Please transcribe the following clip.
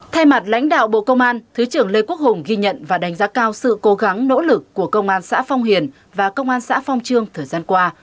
thay mặt lãnh đạo bộ công an thứ trưởng lê quốc hùng ghi nhận và đánh giá cao sự cố gắng nỗ lực của công an xã phong hiền và công an xã phong trương thời gian qua